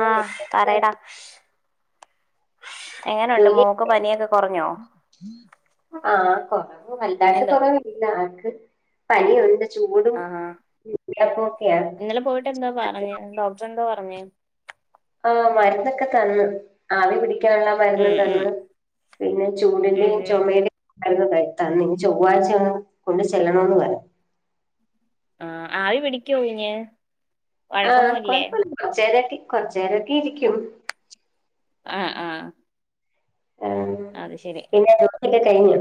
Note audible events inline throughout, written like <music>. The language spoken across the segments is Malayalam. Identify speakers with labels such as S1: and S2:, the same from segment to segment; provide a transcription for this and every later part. S1: ആഹ് പറയടാ എങ്ങനെയുണ്ട് മോക്ക്
S2: ജോലിയൊക്കെ
S1: പനിയൊക്കെ കുറഞ്ഞോ
S2: ആഹ് വലുതായിട്ട്
S1: ഇണ്ട്
S2: കുറ പനിയുണ്ട് ചൂടും <unintelligible> ഒക്കെയാണ്
S1: ഇന്നലെ പോയിട്ട് എന്താ പറഞ്ഞു ഡോക്ടറെന്തോ പറഞ്ഞേ
S2: ആഹ് മരുന്നൊക്കെ തന്ന് ആവി പിടിക്കാനുള്ള മരുന്ന്
S1: ഉം ഉം
S2: തന്ന് പിന്നെ
S1: ഉം
S2: ചൂടിന്റിം
S1: ഉം
S2: ചുമന്റിം മരുന്ന് തന്നു ഇനി ചൊവ്വാഴ്ച കൊണ്ട് ചെല്ലണന്ന് പറഞ്
S1: ആഹ് ആവി പിടിക്കോ കുഞ്ഞു
S2: ആഹ കൊഴപ്പമില്ല കൊറച്ചേര കൊറച്ചേരൊക്കെ ഇരിക്കും
S1: ആഹ് ആ ഹ്
S2: ആ
S1: അത് ശരി
S2: പിന്നെ ജോലിയൊക്കെ കഴിഞ്ഞോ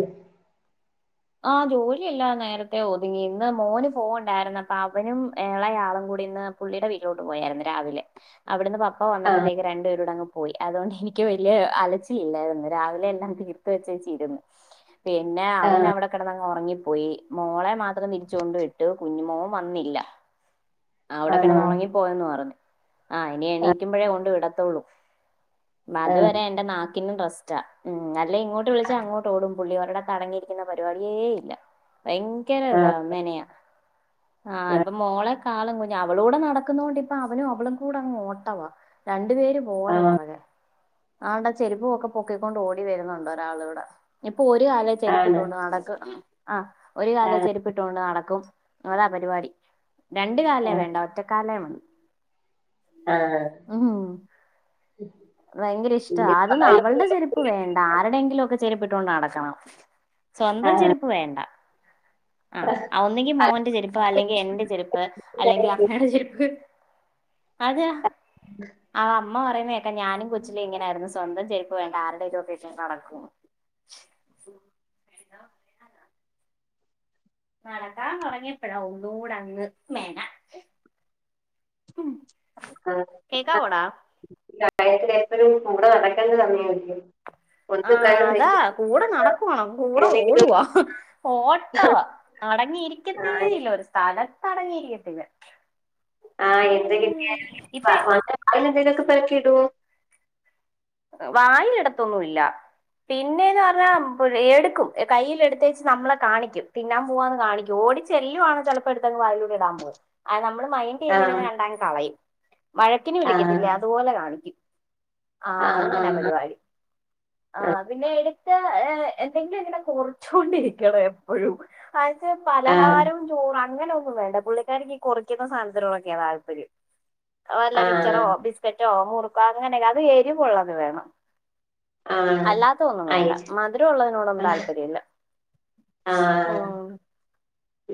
S1: ആഹ ജോലിയെല്ലാം നേരത്തെ ഒതുങ്ങി ഇന്ന് മോന് പോവണ്ടായിരുന്നു അപ്പൊ അവനും ഏളയാളും കൂടി ഇന്ന് പുള്ളീ ടെ വീട്ടിലോട്ട് പോയായിരുന്നു രാവിലെ അവിടുന്ന് പപ്പ
S2: ആഹ്
S1: വന്നപ്പത്തേക്ക് രണ്ടുപേരൂടെ അങ്ങ്. പോയി അതോണ്ട് എനിക്ക് വല്ല്യെ അലച്ചിലില്ലായിരുന്ന് രാവിലെ എല്ലാം തീർത്ത് വെച്ചേച്ചിരുന്നു. പിന്നെ
S2: ആഹ്
S1: അവനവടെ. കെടന്നങ്ങ് ഉറങ്ങിപ്പോയി മോളെ മാത്രം തിരിച്ചു കൊണ്ട് വിട്ട് കുഞ്ഞുമോൻ വന്നില്ല. ആ അവിടെ
S2: ആണോ
S1: കെടന്ന് ഉറങ്ങി പോയന്ന് പറഞ്ഞു ആഹ് ഇനി എണീക്കുമ്പഴേ കൊണ്ട് വിടത്തൊള്ളൂ. അത് വരെ എന്റെ നാക്കിനും റെസ്റ്റാ ഉം അല്ലേ ഇങ്ങോട്ട് വിളിച്ചാ അങ്ങോട്ടോടും. പുള്ളി ഒരിടത്തു അടങ്ങിയിരിക്കുന്ന പരിപാടിയേ ഇല്ല ഭയങ്കര ഇതാ
S2: ആഹ്
S1: മെനയാ. ആഹ് ഇപ്പൊ മോളെക്കാളും കുഞ്ഞാ അവളൂടെ നടക്കുന്നോണ്ട് ഇപ്പ അവനും അവളും കൂടെ അങ്ങ് ഓട്ടവാ. രണ്ടു പേര് പോര
S2: ആഹ്
S1: പൊറകേ ആണ്ടെ ചെരിപ്പോവൊക്കെ. പൊക്കിക്കൊണ്ട് ഓടി വരുന്നുണ്ട് ഒരാളിവടെ ഞ്ഞിപ്പൊ ഒരു കാലേ
S2: ആണ്
S1: ചെരിപ്പിട്ടോണ്ട് നടക്കും ആഹ്. ഒരു കാലേ
S2: ആഹ്
S1: ചെരുപ്പിട്ടോണ്ട് നടക്കും ങ്ങനാ പരിപാടി. രണ്ട് കാലേ
S2: ആഹ്
S1: വേണ്ട ഒറ്റക്കാലേ മതി.
S2: ആഹ്
S1: ഉഹും ഭയങ്കര ഇഷ്ടാ
S2: പിന്നെ
S1: അതും അവള്ടെ ചെരുപ്പ പ്പ് വേണ്ട ആരുടെങ്കിലൊക്കെ ചെരിപ്പിട്ടോണ്ട് നടക്കണം. സ്വന്തം
S2: ആഹ്
S1: ചെരുപ്പ് വേണ്ട ആഹ് ഒന്നെങ്കി മോന്റെ ചെരുപ്പ് അല്ലെങ്കി എന്റെ ചെരുപ്പ്. അല്ലെങ്കി അമ്മേടെ ചെരുപ്പ്. അതേ ആ അമ്മ പറയുന്നേക്കാ ഞാനും കൊച്ചിലെ ഇങ്ങനായിരുന്നു. സ്വന്തം ചെരുപ്പ് വേണ്ട ആരുടേങ്കിലൊക്കെ ഇട്ടോണ്ട് നടക്കും. <inaudible> നടക്കാൻ തൊടങ്ങിയപ്പെഴാ ഒന്നൂടെ അങ്ങ് മെന.
S2: അതെ
S1: കേക്കാവോടാ
S2: ആ പ്രായത്തില് എപ്പോഴും കൂടെ നടക്കണ്ടെ സമയല്ലെ.
S1: ആഹ് അതാ കൂടെ നടക്കുവാണോ കൂടെ
S2: എന്തെങ്കിലും
S1: ഓടുവാ. ഓട്ടവ
S2: ആഹ്
S1: അടങ്ങിയിരിക്കത്തേയില്ല ഒരു സ്ഥലത്ത് അടങ്ങിയിരിക്കത്തില്ല.
S2: ആഹ് എന്ത് കിട്ടയാലും
S1: ഇപ്പൊ
S2: പറക്കി വായിലിടും എന്തെങ്കിലൊക്കെ പറക്കി ഇടുവോ.
S1: വായിലിടത്തൊന്നുല്ല. പിന്നേന്ന് പറഞ്ഞാ എടുക്കും കയ്യിൽ എടുത്തേച്ച് നമ്മളെ കാണിക്കും തിന്നാ പോവാന്ന് കാണിക്കും ഓടി ചെ ചെല്ലുവാണെ ചെലപ്പോ എടുത്തങ്ങ് വായിലൂടെ ഇടാൻ പോവും ആഹ് നമ്മള് മൈ
S2: ആഹ്
S1: ന്റീയുന്നില്ലെന്ന് കണ്ടാ കളയും വഴക്കിന്
S2: ആഹ്
S1: വിളിക്കത്തില്ലേ അതുപോലെ കാണിക്കും. ആഹ് അങ്ങനാ പരിവാടി. ആഹ് പിന്നെ എടുത്താ എന്തെങ്കിലും ങ്ങനെ കൊറിച്ചോണ്ടിരിക്കണം. ഒയ്യോ <inaudible>
S2: ആഹ്
S1: പലഹാരം. ചോറ് അങ്ങനെന്നും വേണ്ട പുള്ളിക്കാരിക്ക് ഈ കൊറിക്കുന്ന സാനത്തിനോടൊക്കെയാ താല്പര്യം. വല്ല മിച്ചറോ,
S2: ആഹ്
S1: ബിസ്ക്കറ്റോ, മുറുക്കോ അങ്ങനൊക്കെ അത് എരിവുള്ളത് വേണം.
S2: ആഹ് ആഹ്
S1: അല്ലാത്ത ഒന്നും വേണ്ട മധുര ഉള്ളതിനോടും
S2: ആഹ്
S1: താല്പര്യവില്ല
S2: ആഹ്
S1: ഹും.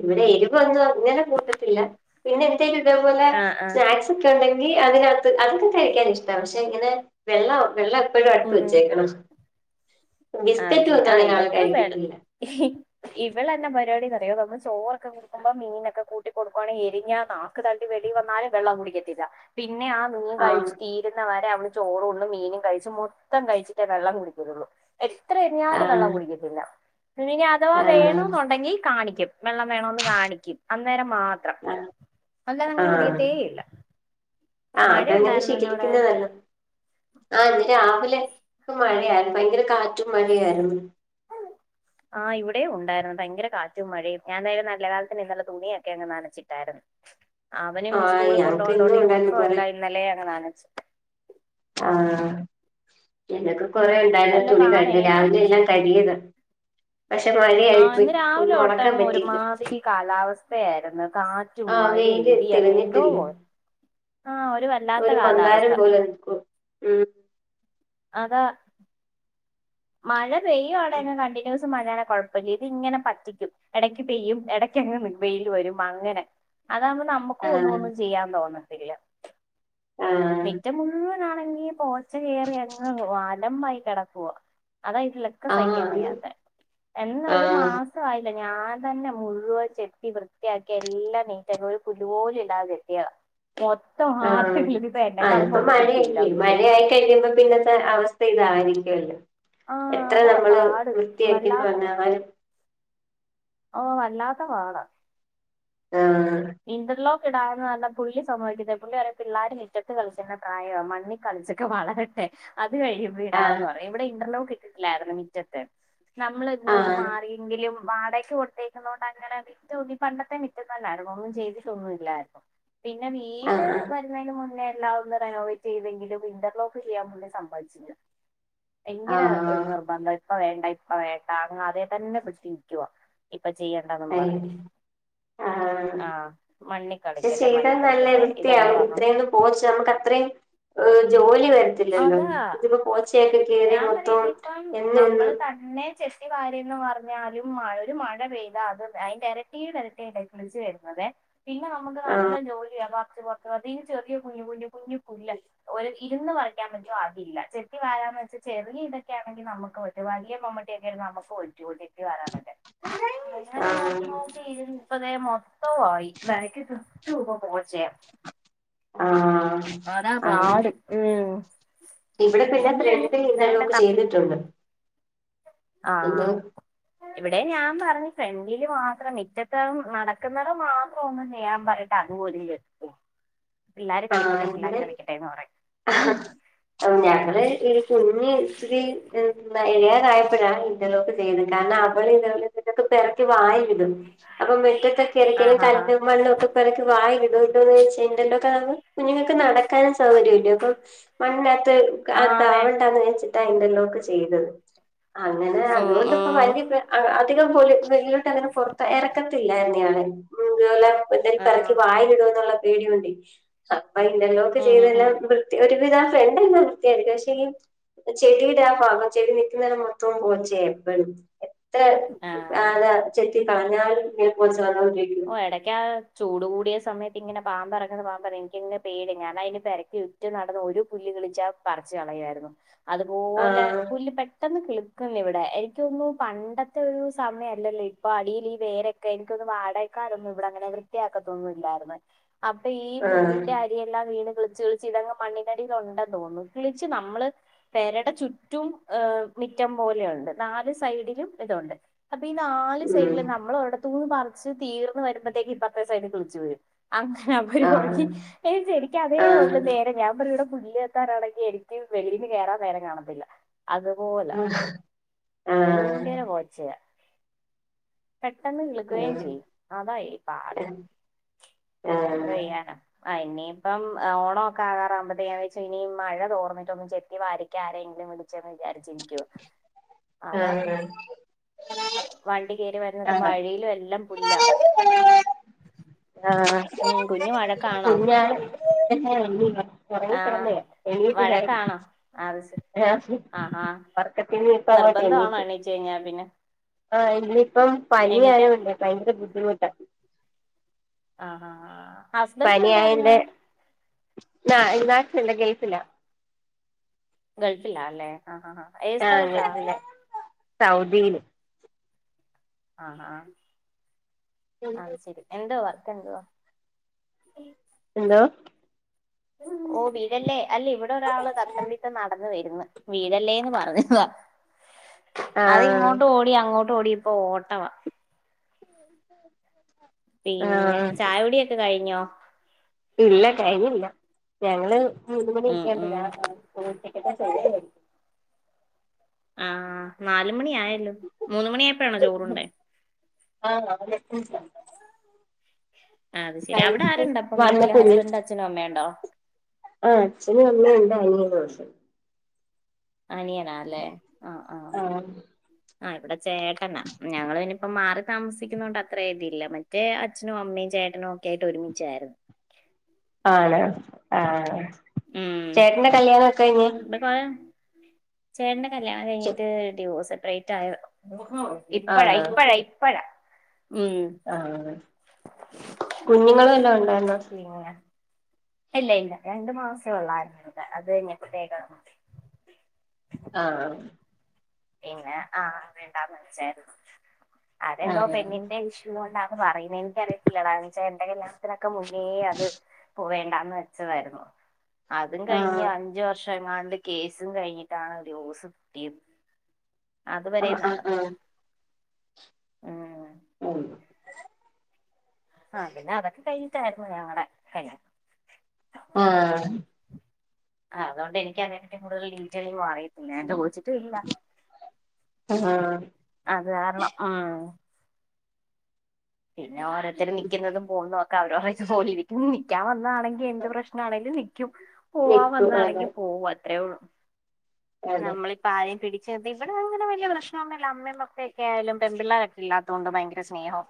S2: ഇവിടെ എരിവൊന്നും അങ്ങനെ കൂട്ടത്തില്ല പിന്നെ എന്തേലും ഇതേപോലെ
S1: ആ ആ
S2: സ്നാക്സൊ ക്കെ ഒണ്ടെങ്കി അതിനകത്ത് അതൊക്കെ കഴിക്കാൻ ഇഷ്ടാ പക്ഷെ ഇങ്ങനെ- വെള്ളോ വെള്ളം എപ്പഴും അടുത്ത്
S1: ഉം.
S2: വെച്ചേക്കണം. ബിസ്ക്കറ്റ് വെച്ചാ അങ്ങനെ ആള് കഴിക്കത്തില്ല.
S1: ഹി. ഇവളെന്ന പരിവാടീ എന്നറിയോ നമ്മള് ചോറൊക്കെ കൊടുക്കുമ്പോ മീനൊക്കെ കൂട്ടി കൊടുക്കുവാണെ എരിഞ്ഞാ - ക്ക് തള്ളി വെളീ വന്നാലും വെള്ളം കുടിക്കത്തില്ല പിന്നെ ആ മീൻ
S2: ആഹ്
S1: കഴിച്ച് തീരുന്ന വരെ അവള്- ചോറും ഉണ്ണും മീനും കഴിച്ച് മൊത്തം കഴിച്ചിട്ടേ വെള്ളം കുടിക്കൊതൊള്ളൂ എത്ര എരിഞ്ഞാലും
S2: ആഹ്
S1: വെള്ളം കുടിക്കത്തില്ല ഇനി അഥവാ
S2: ആഹ്
S1: വെണോന്നുണ്ടെങ്കി കാണിക്കും. വെള്ളം വേണോന്ന് കാണിക്കും അന്നേരം മാത്രം
S2: ആഹ്
S1: അല്ലാതെ അങ്ങനെ
S2: ആഹ്
S1: കുടിക്കത്തേയില്ല.
S2: ആഹ് അത് അങ്ങനെ ശീലിക്കുന്നത് നല്ലത്. ആഹ് ഇന്ന് രാവിലെ മഴയായിരുന്നു ഭയങ്കര കാറ്റും മഴയായിരുന്നു.
S1: ആഹ് ഇവിടെയും ഉണ്ടായിരുന്നു ഭയങ്ക കാറ്റും മഴയും ഞാൻ ദേ നല്ല കാലത്തിന് ഇന്നലെ തുണിയൊക്കെ അങ്ങ് നനച്ചിട്ടായിരുന്നു. അവനും
S2: ആഹ്
S1: സ്കൂളിൽ
S2: ഞങ്ങക്ക് ഇന്നും
S1: കൊണ്ടോണ്ട്
S2: ഉണ്ടായിരുന്നു
S1: യൂണിഫോം
S2: കൊറെ
S1: എല്ലാം ഇന്നലെയങ്ങ് നനച്ച്
S2: ആഹ് പിന്നെ എനക്ക് കൊറെ ഒണ്ടായിരുന്നു
S1: നല്ല
S2: തുണി
S1: പാടാ
S2: കഴുകാൻ
S1: ഇനിയിപ്പം
S2: രാവിലെ എല്ലാം കഴികിയതാ പക്ഷെ മഴ-
S1: ആഹ് ഇന്ന് രാവിലെ തൊട്ടങ്ങ് ഒരുമാതിരി കാലാവസ്ഥയായിരുന്നു കാ- കാറ്റും
S2: ആഹ്
S1: മഴയും
S2: വെയില്
S1: ഇടി അങ്ങ് എന്തോ
S2: തെളിഞ്ഞിട്ടില്ല
S1: പോലെ ആഹ് ഒരു വല്ലാത്ത കാലാവസ്ഥ
S2: മന്ദാരം പോലെ നിൽക്കും ഉം
S1: അതാ മഴ പെയ്യുകയാണെങ്കിൽ കണ്ടിന്യൂസ്- മഴയാണെങ്കിൽ കൊഴപ്പം ഇല്ല ഇത് ഇങ്ങനെ പറ്റിക്കും ഇടയ്ക്ക് പെയ്യും ഇടക്ക് അങ്ങ് വെയില് വരും അങ്ങനെ- അതാകുമ്പോ നമുക്കും ഒന്നും
S2: ആഹ്
S1: ഒന്നും ചെയ്യാൻ തോന്നത്തില്ല
S2: ആഹ്
S1: മിറ്റം മുഴുവനാണെങ്കിൽ പോച്ച കയറി അങ്ങ് അലമ്പായി കെടക്കുവാ അതാ ഇതിലൊക്കെ
S2: ആഹ്
S1: സഹിക്കാൻ വയ്യാത്ത എന്നാ ഒരു
S2: ആഹ്
S1: മാസ- മായില്ല ഞാൻ തന്നെ മുഴുവൻ ചെത്തി വൃത്തിയാക്കി എല്ലാം നിറ്റാക്കി ഒരു പുല്ലുപോലും ഇല്ലാത ചെത്തിയതാ മൊത്തം ആർത്ത്
S2: ആഹ്
S1: കിളിച്ചി ഇപ്പോ
S2: ആഹ്
S1: എന്നെക്കാളും
S2: ഇപ്പൊ
S1: പൊക്കത്തി പുല്ലാ
S2: മഴയല്ലേ
S1: മുറ്റത്
S2: മഴയായി കഴിയുമ്പോ പിന്നത്തെ അവസ്ഥ ഇതാവായിരിക്കുവല്ലോ
S1: ആഹ്
S2: എത്ര
S1: അതാ
S2: നമ്മള്
S1: പാട്
S2: വൃത്തിയാക്കിന്ന്
S1: വല്ലാത്ത
S2: പറഞ്ഞാലും-
S1: ഓഹ് വല്ലാതെ പാടാ
S2: ആഹ്
S1: ഇന്റർലോക്ക് ഇടാന്ന് പറഞ്ഞാ പുള്ളി സമ്മതിക്കത്തില്ല പുള്ളി പറയും പിള്ളേര് മിറ്റത്ത് കളിക്കുന്ന പ്രായവ മണ്ണിൽ- കളിച്ചൊക്കെ വളരട്ടെ അത് കഴി ഇടാന്ന്
S2: ആഹ്
S1: പറയും ഇവിടെ ഇന്റർലോക്ക് ഇട്ടിട്ടില്ലായിരുന്നു മിറ്റത്ത് നമ്മള ഇങ്ങോട്ട്
S2: ആഹ്
S1: മാറി- എങ്കിലും വാടകക്ക് കൊടുത്തേക്കുന്നത് കൊണ്ട് അങ്ങനെ മിറ്റമൊന്നും പണ്ടത്തെ മിറ്റം തന്നാരുന്നു ഒന്നും- ചെയ്തിട്ടൊന്നില്ലായിരുന്നു പിന്നെ
S2: ആഹ്
S1: വീട്- പിന്നെ അതിനുമുന്നേ എല്ലാ ഒന്ന് റെനോവേറ്റ് ചെയ്തെങ്കിലും ഇന്റർലോക്ക് ചെയ്യാൻ പുള്ളി സമ്മതിച്ചില്ല ഭയങ്കര
S2: ആഹ്
S1: നിർബന്ധം ഇപ്പ വേണ്ട ഇപ്പ വേണ്ട അങ്ങ് അതെ തന്നെ പിടിച്ചുനിക്കുവാ ഇപ്പൊ ചെയ്യണ്ടാന്നും
S2: അയ്യോ
S1: പറഞ്ഞ് ആഹ് മണ്ണിൽ
S2: പക്ഷെ
S1: കളിക്കട്ടെ മണ്ണിൽ കളിക്കട്ടെ ഇതന്നെ പറഞ്ഞോണ്ട് ഇരിക്കും
S2: പോച്ചേ നമുക്ക് അത്രയും ജോലി വേ ഇല്ലല്ലോ
S1: അതാ
S2: ഇതിപ്പോ പോച്ചയൊക്കെ കേറി മൊത്തം എന്നും എന്നും-
S1: പിന്നെ ചെത്തി വാരി എന്ന് പറഞ്ഞാലും മഴ ഒരു മഴ പെയ്ത അത് അതിന്റെ ഇരട്ടിടെ ഇരട്ടിയായിട്ടായിരിക്കും- കിളിച്ചു വരുന്നതെ പിന്നെ നമുക്ക്
S2: ആഹ്
S1: നല്ല ജോലിയാ പറിച്ചു പറിച്ച്- അതിന്നു ചെറിയ കുഞ്ഞു കുഞ്ഞു കുഞ്ഞു പുല്ല് ഒരു ഇരുന്ന് പറിച്ച് ഇരിക്കാൻ പറ്റും അതില്ല ചെത്തി വാരാന്ന് വെച്ച ചെറിയ ഇതൊക്ക ആണെങ്കിൽ നമുക്ക് പറ്റും വലിയ മമ്മട്ടിയൊക്കെ ആണെങ്കിൽ നമുക്ക് പറ്റോ <unintelligible> <unintelligible> വാറാനല്ലേ
S2: <inaudible>
S1: ങ്ങനെ നോക്കി
S2: ആഹ്
S1: നോക്കി ഇരുന്നിപ്പതേ മൊത്തും ആയി ബാക്ക് ചുറ്റും ഇപ്പൊ പോച്ചേ
S2: ആഹ്
S1: അതാ
S2: അത
S1: പാട് മ്മ്
S2: ഇവിടെ പിന്നെ ഫ്രണ്ടിൽ
S1: വേണ്ട
S2: ഇന്റർലോക്ക്
S1: തപ്പി
S2: ചെയ്ത്ട്ടുണ്ട്
S1: ആഹ് ഇവിടെ ഞാൻ പറഞ്ഞു ഫ്രണ്ടില് മാത്രം മിറ്റത്തും നടക്കുന്നടം മാത്രം ഒന്നും ചെയ്യാൻ പറ- അതുപോലും <unintelligible>
S2: <inaudible>
S1: പിള്ളാര് കളിക്കട്ടെ
S2: ആഹ്
S1: പിള്ളാര്
S2: ഇവിടെ
S1: കളിക്കട്ടെന്ന് പറയും ഉം
S2: ഞങ്ങള് ഈ കുഞ്ഞ് ഇച്ചിരി എഴിയാറായപ്പോഴാണ് ഇന്റർലോക്ക് ചെയ്ത് കാരണം അവൾ ഇതോലെ ഇതൊക്ക പിറക്കി വായലിടും അപ്പൊ മുറ്റത്തൊക്കെ ഇറക്കിയാൽ
S1: ആഹ് ആഹ് ആഹ്
S2: കല്ലും മണ്ണും ഒക്കെ പിറക്കി വായിലിടും എന്താന്ന് വെച്ചാൽ ഇന്റർലോക് ആവുമ്പോ കുഞ്ഞുങ്ങൾക്ക് നടക്കാനും സൗകര്യല്ലോ അപ്പൊ മണ്ണിനകത്ത്
S1: ആഹ് അതെ
S2: അതാവണ്ടാന്ന് വെച്ച് അതാഇന്റർലോക്ക് ചെയ്തത് അങ്ങനെ
S1: ഉം
S2: അതുകൊണ്ട്പ്പൊ
S1: ഉം
S2: വല്ല്യ പ്ര അ അതികം പൊലി അ നീട്ട <unintelligible> പൊർത്ത് എറക്ക ത്തില്ലായിരുന്ന് ഞാന് ഇതുപോലെ എന്തേലും പെറക്കി
S1: ആഹ്
S2: വായെലിടോന്ന്ള്ള പേടികൊണ്ടേ അപ്പം ഇന്റർലോക്ക്
S1: ഉം ഉം
S2: ചെയ്തെല്ലാം
S1: ഉം
S2: വൃത്തി <unintelligible> ഫ്രണ്ടെല്ലാം വൃത്തിയാക്കി പക്ഷേ ഈ ചെടിയിടാ ഭാഗം ചെടി നിക്കിന്നെടം മൊത്തം പോച്ചേ എപ്പഴും തെ
S1: ആഹ്
S2: നാനാ ചെത്തി കളഞ്ഞാലും ഇങ്ങ പോ <unintelligible>
S1: ഓഎടക്കാ ചൂട് കൂടിയ സമയത്തിങ്ങനെ പാമ്പേറങ്ങുന്ന പാമ്പേറങ്ങിക്കെ ഇനിക്കങ്ങനെ പേടിയാ ഞാനയ്ന് പെരക്ക് മുറ്റ നടന്ന് ഒരു പുല്ല് കിളിച്ചാ പറിച്ച് കളയായിരുന്നു അതുപോലെ
S2: ആഹ്
S1: പുല്ല് പെ ട്ടെന്ന് കിളിക്കും ഇവിടെ എനിക്കൊന്നുന്നു പണ്ടത്തോരു സമയല്ലല്ലോ ഇപ്പൊ അടിയില് ഈ വേരെ ക്കെനിക്കൊന്ന് വാടെ ക്കാരൊന്നും ഇവിടങ്ങനെ വൃത്തിയാക്കത്തൊന്നുംല്ലായിർന്ന് അപ്പഈ
S2: ആഹ്
S1: പുല്ലിന്റെ അരിയെല്ലാം വീണ് കിളിച്ച് കിള് ചിതങ്മണ്ണിനടിലുണ്ടെന്ന് തോന്ന്ന്ന് കിളിച്ച് നമ്മള് പെരടെ ചുറ്റും ഏ് മിറ്റം പോലെയിണ്ട് നാല് സൈഡിലും ഇതൊണ്ട് അപ്പൊ ഈ നാല് സൈഡില്
S2: ഉം
S1: നമ്മളോര ടത്തൂന്ന് പർച്ച് തീർന്ന് വരുമ്പത്തേക്ക് ഇപ്രത്തേ സൈട് കിള്ച്ച് വരും അങ്ങനെ ആ പരിപാടി
S2: ആഹ്
S1: ശരിക്കും അതേ ഉള്ളു
S2: ആഹ്
S1: നേരെ ഞാൻ പ <unintelligible> പുള്ളിയത്താറാണെങ്കി എനിക്ക് വെളീന്ന് കേറാൻ നേരം കാണത്തില്ല അതുപോല
S2: ആഹ് ആഹ്
S1: ഭയങ്കര പോച്ചയ പെട്ടെന്ന് കിളിക്കുകയും ചെയ്യും. അതാ ഈ പാട് എന്തോ
S2: ആഹ്
S1: ചെയ്യാ ആഹ് ഇനിയിപ്പം ഓണം ഒക്കെ ആകാറാവുമ്പഴത്തേക <unintelligible> ഇനി മഴ തോർന്നിട്ടൊന്നും ചെത്തി വാരിക് ക്കാരെങ്കിലും വിളിച്ചന്ന് വിചാരിച്ചിരിക്കുവാ
S2: <inaudible>
S1: അതാണ് വണ്ടി കയറി
S2: ആഹ്
S1: വരുന്നതും
S2: ആഹ്
S1: വഴിയിലെല്ലാം പുല്ലാവും
S2: ആഹ് ആഹ് പുല്ല <unintelligible>
S1: ആഹ്
S2: ഒറങ്ങിക്കെടന്നയാ എണീറ്റ് ഞാൻ
S1: വഴക്കാണോ അത് ശരി
S2: ഏ
S1: ആഹാ
S2: വർ
S1: നിർബന്ധമാണോ
S2: ചെക്കനിപ്പങ്ങോട്ടെണീറ്റ്
S1: എണീച്ച് കഴിഞ്ഞാ പിന്നെ
S2: ആഹ് ഇനിപ്പം
S1: എണീറ്റാ
S2: പനിആയൊണ്ട് ഭയങ്കര ബുദ്ധിമുട്ടാ
S1: ആഹ് ആഹ് ആഹ്
S2: പനി ആയേന്റെ നാ <unintelligible> ഗെയ്സ് ഇല്ല
S1: ഗൾഫിലാല്ലേ ആഹ് ഹ ഹ
S2: ആഹ് അതെ തെ സൗദീല്
S1: ആഹ് ആഹ് അത് ശെരി എന്തുവാ വർക്കെന്തുവാ?
S2: എന്തോ
S1: ഓ വീഴല്ലേ അല്ലെ വ്ടൊരാള് തത്തം പിത്തം നടന്ന് വര്ന്ന് വീഴ ല്ലേന്ന് പറഞ്ഞതാ
S2: ആഹ്
S1: അതിങ്ങോട്ടോടി അങ്ങോട്ടോടി ഇപ്പോ ഓട്ടവാ
S2: ഉ
S1: പിന്നെ ചായകുടിയൊക്കെ കഴിഞ്ഞോ?
S2: ഇല്ല കഴിഞ്ഞില്ല ഞങ്ങള് മൂന്ന്
S1: ഉം ഉം
S2: മണിയൊക്കാവുമ്പളാ ഉച്ചക്കത്തെ ചോറ്
S1: ആഹ് നാല് മണിയായല്ലോ മൂന്ന്മണിയാവ്മ്പഴാണോ ചോറ്ണ്ടെ
S2: ആഹ വന്നപ്പനി <unintelligible>
S1: അച്ഛനമ്മേണ്ടോ?
S2: ആഹ് അച്ഛനമ്മേണ്ട് അനിയനൂണ്ട്
S1: അനിയനാല്ലേ ആഹ് ആഹ് ആ ഇവിടെ ചേട്ടനാ ഞങ്ങള്നിപ്പോ മാറി താമസിക്കുന്നോണ്ട് അത്രഇതില്ല ഒക്കെ അച്ഛനും അമ്മയും ചേട്ടനൊക്കെയാ യിട്ട് ഒരുമിച്ചായിര്ന്ന്
S2: ആണ് ആഹ് ചേട്ടന്റെ കല്യാണൊക്കെ കഴിഞ്
S1: ഇപ്പ ചേട്ടന്റെ കല്യാണം കഴിഞ്ഞിട്ട് ഡിവോഴ്സസെപ്പറേറ്റ് ആയ ഇപ്പഴ ഇപ്പഴ
S2: ആണോ
S1: ഇപ്പഴ ഇപ്പഴാ ഉം
S2: ആഹ് കുഞ്ഞുങ്ങള് വല്ലാംണ്ടായിന്നോ?
S1: പി ഇല്ല ഇല്ല രണ്ടു മാസേ ഉള്ളായിര്ന്ന് അതയിഞപതേക്കാ
S2: ആഹ്
S1: പിന്നെ ആഹ് വേണ്ടാ വെച്ചായിരുന്നു അതെന്തോ
S2: ആഹ്
S1: പെണ്ണിന്റെ ഇഷ് ണ്ടാന്ന് പറയുന്നെ എനിക്ക് അറിയത്തില്ലെടാ ചേട്ടന്റെ കല്യാണത്തിനൊക്കെ മുന്നേ അത് പോവേണ്ടന്ന് തായിരുന്നു അതും
S2: ആഹ്
S1: കഴിഞ്ഞഞ് അഞ്ച് വർഷം ണ്ട് കേസും കഴിഞ്ഞിട്ടാണ് ഡിവോസ് കിട്ടിയത് അതുവരെ
S2: ആഹ് ആഹ്
S1: നടന്നു
S2: ആഹ്
S1: ഉം
S2: ഉം
S1: ആ പിന്നെ അതൊക്കെ കഴിഞ്ഞിട്ടായിരുന്നു ഞങ്ങടെ ക
S2: ആഹ്
S1: ആ അതോണ്ട് എനിക്ക് അതിനെറ്റും കൂടുതൽ ഡീറ്റെയിൽ അറത്തില്ല എന്റെ <unintelligible>
S2: ആഹ്
S1: അത് കാരണം ഉം പിന്നെ ഓരോരർത്തര് നിക്കുന്നതും പോകുന്നൊക്കെ അവരോരക്ക് പോലെ ഇരിക്കുംന്ന് നിക്കാൻ വന്നാണെങ്കി എന്ത് പ്രശ്ന ആണെങ്കിലും നിക്കും പോവാൻ
S2: നിക്കും അതെ
S1: വന്നതാണെങ്കി പോകും അത്രേ ഉള്ളൂ
S2: അതെ
S1: നമ്മള് ഇ ആേ പിടിച്ച് നിർത്തി ഇവിടെ അങ്ങന വല പ്രശനൊന്നുല്ല അമ്മക്കെ ഒക്കൊയാലും പെൺപിള്ളേരൊക്കെ ഇല്ലാത്തോണ്ട് ഭയങ്കര സ്നേഹവും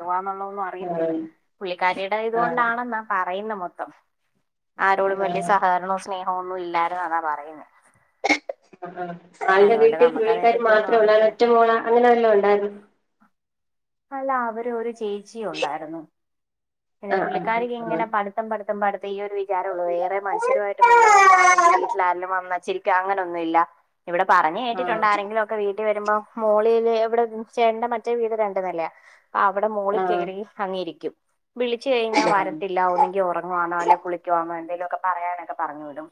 S1: പോവോവന്നുള്ള ഒന്നും
S2: ആഹ്
S1: അറിയത്തില്ല പുള്ളിക്കാരിയുടെ
S2: ആഹ്
S1: ഇതുകൊണ്ടാണെന്നാ പറയുന്നെ മൊത്തം ആരോടും വലിയ
S2: ആഹ്
S1: സഹകരണവും സ്നേഹോ ഒന്നും ഇല്ലാരുന്നതാ പറയുന്നെ
S2: ആ ആളിന്റെ
S1: അതുകൊണ്ട്
S2: വീട്ടിൽ പുള്ളിക്കാരീ
S1: നമുക്കതേപ്പറ്റി ഒന്നും
S2: മാത്രേ ഉള്ള ആൾ
S1: അറിയത്തില്ല
S2: ഒറ്റമോള് അ അങ്ങനെ വല്ലോ ഉണ്ടായിരുന്നു
S1: അല്ല അവര് ഒരു ചേച്ചിയു ൺണ്ടായിരുന്നു പിന്നെ
S2: ആഹ്
S1: പുള്ളിക്കാരിക്ക്
S2: ആഹ്
S1: ഇങ്ങനെ പഠിത്തം പഠിത്തം ഈ ഒരു വിചാരൊള്ളൂ വേറെ മനുഷ്യരുമായിട്ട് മിണ്ടണമെന്നോ
S2: ആഹ്
S1: അല്ലെങ്കിൽ ലും വന്നി ച്ചിരിക്കാ അങ്ങനൊന്നുല്ല ഇവിടെ പറഞ്ഞ് കേട്ടിട്ടുണ്ട് ആരെങ്കിലൊ ക്കെ വീട്ടി വരുമ്പോ മോളിയില് ഇവിടെ ചേട്ടന്റെ മറ്റേ വീട് രണ്ട്ന്നില്ല അവിടെ മോളിൽ
S2: ആഹ്
S1: കയറി അങ്ങ് യിരിക്കും വിളിച്ചു കഴിഞ്ഞാൽ
S2: ആഹ് ആഹ്
S1: വരത്തില്ല ഒന്നെങ്കിൽ ഉറങ്ങുവാണോ അല്ലെ കുളിക്കുവ എന്തേലും ഒക്കെ പറയാനൊക്കെ പറഞ്ഞ് വിടും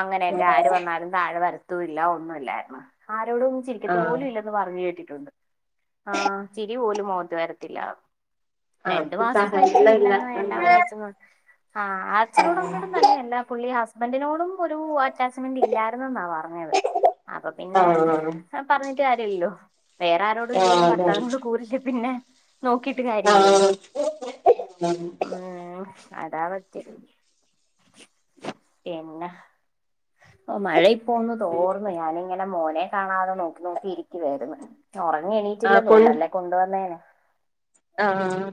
S1: അങ്ങനെയൊക്കെ ആര് വന്നാലും താഴെ വര ല്ല ഒന്നുമല്ലായിരുന്നു ആരോടും ഒന്ന്
S2: ആഹ്
S1: ചിരിക്കത്തു പോലും
S2: ആഹ്
S1: ഇല്ലന്ന് പറഞ്ഞ് കേട്ടിട്ടുണ്ട് ആഹ് ചിരി പോലും മോത്ത് വരത്തില്ല
S2: ആപ്പ സഹച ഇല്ല ഇല്ല
S1: ഉം ആഹ് അച്ഛനോടുംമ്മനോടും തന്നെ അല്ല പുള്ളി ഹസ്ബൻഡിനോടും ഒരു അറ്റാച്ച്മെന്റ് ഇല്ലായിരുന്നെന്നാവാം പറഞ്ഞത് അപ്പൊ പിന്നെ
S2: ആഹ്
S1: പറഞ്ഞിട്ട് കാര്യല്ലോ വേറെ ആരോടും
S2: ആഹ്
S1: ഇല്ലേലും
S2: അതാണ്
S1: ഭർത്താവിനോട് കൂറില്ല പിന്നെ നോക്കിയിട്ട് കാര്യമില്ലല്ലോ
S2: <unintelligible>
S1: ഉം അതാ പറ്റിയത് പിന്നെ ഒ മഴയിപ്പോന്ന് തോർന്നു ഞാനിങ്ങനെ മോനെ കാണാതെ നോക്കി നോക്കിയിരിക്കുവരുന്നു ഒറങ്ങി എണീറ്റില്ല തോന്നെ അല്ലെ കൊണ്ട് വന്നേനെ.
S2: ആഹ്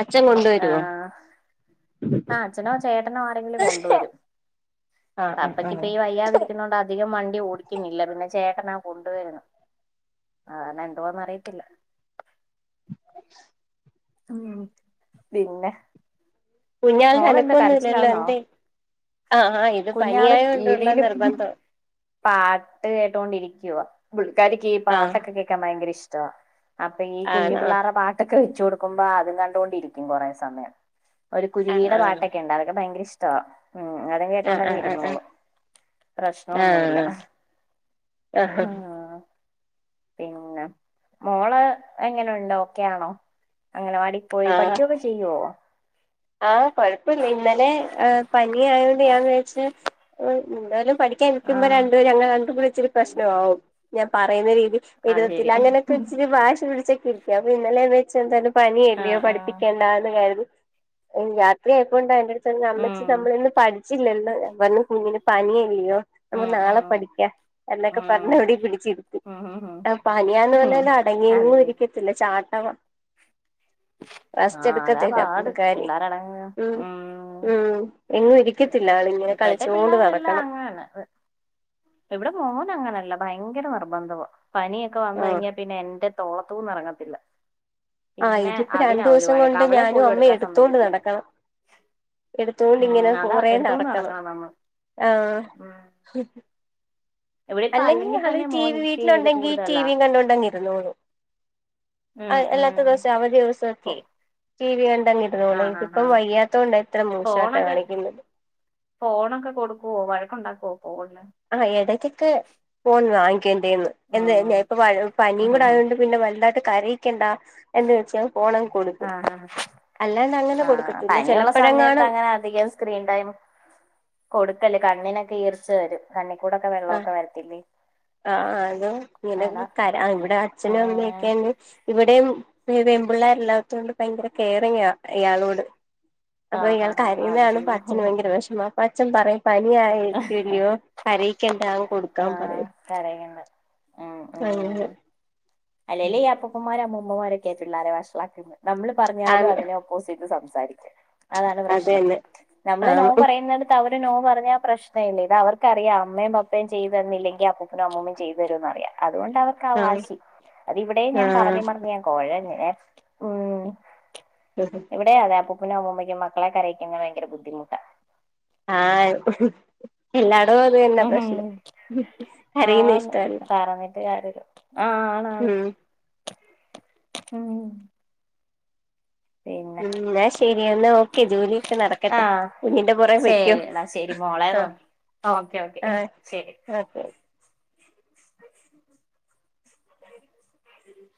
S2: അച്ഛൻ കൊണ്ട്
S1: ആഹ്, ആ അച്ഛനോ ചേട്ടനോ ആരെങ്കിലും കൊണ്ടുവരും.
S2: ആഹ് ആഹ് ആഹ്
S1: പപ്പക്കിപ്പൊ ഈ വയ്യാതിരിക്ക്ന്നോണ്ട് അധികം വണ്ടി ഓടിക്ക്ന്നില്ല. പിന്നെ ചേട്ടന കൊണ്ടുവരുന്നെ. ആഹ് അങ്ങനെ എന്തോന്ന് അറിയത്തില്ല. ഉം, പിന്നെ
S2: കുഞ്ഞാൾ
S1: മോളെന്താ
S2: അനക്കൊന്നുല്ലല്ലോ
S1: കരച്ചിലാന്നോ?
S2: എന്തേ ആഹ് ആഹ് ഇത്
S1: കുഞ്ഞാള്
S2: പനിയായോണ്ടുള്ള
S1: ടിവിയില് ഇപ്പം
S2: നിർബന്ധം
S1: പാട്ട് കേട്ടോണ്ടിരിക്കുവ, പുള്ളിക്കാരിക്ക് ഈ
S2: ആഹ്
S1: പാട്ടൊക്കെ കേക്കാൻ ഭയങ്കര ഇഷ്ടവാ അപ്പ ഈ കുഞ്ഞു
S2: ആണോ
S1: പിള്ളേരെ പാട്ടൊക്കെ വെച്ച് കൊടുക്കുമ്പോ അതും കണ്ടൊണ്ടിരിക്കും കൊറേ സമയം ഒരു
S2: ആഹ്
S1: കുരുവിയുടെ
S2: ആഹ്
S1: പാട്ടൊക്കെ ഇണ്ടാവുലെ അതൊക്കെ ഭയങ്ക ഇഷ്ടവാ ഉം, അതും
S2: ആഹ് ആഹ്
S1: കേട്ടോണ്ടങ്ങിരുന്നോളും
S2: ആഹ്
S1: പ്രശ്നൊന്നുല്ല.
S2: ആഹ് ആഹ്
S1: പിന്നെ, മോള് എങ്ങനെയുണ്ട്? ഓക്കെയാണോ അങ്കണവാടിപ്പോയി
S2: ആഹ്
S1: പഠിക്കൊക്ക ചെയ്യോ?
S2: ആഹ്, കൊഴപ്പില്ല ഇന്നലെ ഏഹ് പനി ആയോണ്ട് ഞാൻ വിചാച്ച് എന്താലും പഠിക്കാൻ നിക്കുമ്പോ
S1: ആഹ്
S2: രണ്ടുപേരും അങ്ങനെ രണ്ടുകൂടി ഇച്ചിരി പ്രശ്ന ആവും. ഞാൻ പറയുന്ന രീതി
S1: അത്
S2: എഴുതത്തില്ല,
S1: ശരി
S2: അങ്ങനൊക്ക ഇച്ചിരി വാശി പിടിച്ചൊക്കെ ഇരിക്ക അപ്പൊ ഇന്നലെ വെച്ച എന്തായാലും പനിയല്ലയോ
S1: ആഹ് ആഹ്
S2: പഠിപ്പിക്കണ്ടാന്ന് കരു ഉം, രാത്രിയായപ്പൊണ്ട് എന്റെ അടുത്തി ന്ന് അമ്മച്ചി
S1: ഉം
S2: നമ്മളെയൊന്നും പഠി ച്ചില്ലെന്ന് <unintelligible> കുഞ്ഞിന് പനിയല്ലയോ നമുക്ക്
S1: ഉം
S2: നാളെ
S1: ഉം
S2: പഠിക്കാം എന്നൊക്കെ
S1: ഉം
S2: പറഞ്ഞ് ഇവിടെ പിടിച്ചിരുത്തി.
S1: ഉം ഉം ഉം
S2: ആ പനിയാന്ന്
S1: ഉം
S2: പറഞ്ഞാലും
S1: അത്
S2: അടങ്ങിയങ്ങും
S1: ശരി
S2: ഇരിക്കത്തില്ല ചാട്ടവ. റെസ്റ്റ്‌
S1: ആഹ് അതാ
S2: എടുക്കത്തില്ല
S1: പാട്
S2: എപ്പളും.
S1: പിള്ളേരടങ്ങ്
S2: ഉം, ഉം എങ്ങും ഇരിക്കത്തില്ല. ആളിങ്ങനെ കളിച്ചോണ്ട് നടക്കണം.
S1: ആണ്, അത് ഇവിടെ മോന് അങ്ങനെയല്ല ഭയങ്കര നിർബന്ധവാ. പനിയൊക്കെ വന്ന്
S2: ആഹ്
S1: കഴിഞ്ഞാൽ പിന്നെ എന്റെ തോളത്തൂന്ന് എറങ്ങത്തില്ല.
S2: ആഹ്,
S1: പിന്നെ
S2: ഇതിപ്പോ രണ്ടു
S1: അതിനാ ഒരു
S2: ദിവസം
S1: വഴക്ക്
S2: കൊണ്ട്
S1: അവളെ
S2: ഞാനും
S1: പോലും
S2: അമ്മേം
S1: എടുക്കാൻ
S2: എടുത്തോണ്ട്
S1: സമ്മതിക്കത്തില്ല
S2: നടക്കണം. എടുത്തോണ്ടിങ്ങനെ
S1: ഉം അതാ
S2: കൊറേ
S1: എടുത്തോണ്ട്
S2: നടക്കണം
S1: നമ്മൾ
S2: ആഹ്
S1: ഉം ഇവിടെ ഇപ്പ
S2: അല്ലെങ്കിൽ
S1: അല്ലെങ്കി
S2: ആള്
S1: തന്നെ
S2: ടി
S1: മോന്
S2: വി
S1: ഇച്ചിരി ഇത്
S2: വീട്ടിലുണ്ടെങ്കി
S1: കൂടുതലാ
S2: ടിവിയും കണ്ടോണ്ടങ്ങ് ഇരുന്നോളും.
S1: ഉം
S2: അഹ്
S1: ഉം
S2: അല്ലാത്ത ദിവസെ അവധി
S1: ഫോ
S2: ദിവസഒക്കെ. ടി വി കണ്ടങ്ങ് ഇരുന്നോളും.
S1: ആഹ് ആഹ്
S2: ഇതിപ്പം
S1: ആഹ്
S2: വയ്യാത്തോണ്ടാ ഇത്ര മൂഷേട്ട
S1: ഫോണൊക്കെ
S2: കാണിക്കുന്നത്.
S1: ഫോണൊക്കെ കൊടുക്കുവോ വഴക്കുണ്ടാക്കുവോ ഫോണിന്
S2: ആഹ്, ഇടയ്ക്കൊക്കെ ഫോൺ വാങ്ങിക്കും എന്റെന്ന് എന്ന്, എന്ന്
S1: ഉം
S2: ഇപ്പ പനിയും
S1: ആഹ്
S2: കൂടെ ആയോണ്ട് പിന്നെ വല്ലാണ്ട കരയിക്കണ്ട എന്ന് വെച്ച് ഞാൻ ഫോണങ്ങ് കൊടുക്കും.
S1: ആഹ്
S2: അല്ലാണ്ട് അങ്ങനെ
S1: ആഹ്
S2: കൊടുക്കത്തില്ല.
S1: പനിയുള്ള സമയത്ത്
S2: ചെലപ്പഴെങ്ങാനും
S1: അങ്ങനെ അധികം സ്ക്രീൻ ടൈം കൊടുക്കല്ലേ കണ്ണിനൊക്കെ ഈർച്ച വെരും. കണ്ണിക്കൂടൊക്കെ വെള്ളൊക്കെ വെരത്തില്ലേ.
S2: ആഹ്, ആഹ് അതും ഇങ്ങനെ <unintelligible> ഇവിടെ അച്ഛനും
S1: ഏഹ്
S2: അമ്മയൊക്കെണ്ട് ഇവിടേയും പിന്നെ പെമ്പിള്ളാരില്ലാത്തോണ്ട് ഭയങ്കര കെയറിങ്ങാ ഇയാളോട്. അപ്പ
S1: ആഹ്
S2: ഇയാൾ
S1: ആഹ് ആഹ്
S2: കരയുന്നത്
S1: അത്
S2: കാണുമ്പ
S1: ശരി
S2: അച്ചന് വയങ്കര വിഷമ, അപ്പൊ അച്ഛൻ പറയും പനി ആയിരിക്കല്ലയോ കരയിക്കണ്ട കൊടുക്കാൻ
S1: ആഹ്, കരയണ്ട ആഹ്
S2: ആഹ്
S1: അല്ലേലു ഈ അപ്പൂപ്പൻമാരും അമ്മൂമ്മമാരൊക്കെ പിള്ളാരെ വഷളാക്കുന്നെ നമ്മള് പറഞ്ഞാലു
S2: ആഹ്
S1: അതിനൊ <unintelligible> സംസാരിക്കും. അതാണ് പ്രശ്നം
S2: അതന്നെ
S1: നമ്മള് നോ
S2: ആണ്
S1: പറയുന്നിട ത്ത അവര് നോ പറഞ്ഞ പ്രശ്നം ഇല്ല. ഇത് അവർക്കറിയാം അമ്മയും പപ്പയും ചെയ്തുതന്നില്ലെങ്കി അപ്പ നും അമ്മൂമ്മയും ചെയ്തുതരുംന്ന്റിയാം അതുകൊണ്ട് അവർ ക്കാ
S2: ആണ്
S1: വാശി അതിവിടെയും ഞാൻ പറഞ്
S2: ആഹ്
S1: പറഞ് ഞാൻ കൊഴഞ് ഉം
S2: <inaudible>
S1: ഇവിടെ അതെ അപ്പൂപ്പനും അമ്മൂമ്മക്കും മക്കളെ കരയിക്കുന്നത് ഭയങ്ക ബദ്ധിമുട്ട
S2: ആഹ് എല്ലാടും അതുതന്ന
S1: ഉം
S2: പ്രശ്നം കരയുന്ന ഇഷ്ടമല്ല
S1: <unintelligible> ആഹ് ആണാണ് ഉം പിന്നെ
S2: ഉം ന്നാ ശരി എന്നാ ഓക്കെ ജോലിയൊക്കെ
S1: ആ
S2: നടക്കട്ടെ കുഞ്ഞിന്റെ പുറകെ പൊയ്ക്കോ
S1: ശരിടാ ശരി മോളെ
S2: ആഹ്
S1: ഓക്കെ ഓക്കെ ശരി
S2: ഒക്കെ
S1: <inaudible> <inaudible>